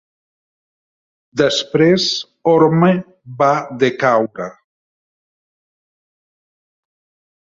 Després, Orme va decaure.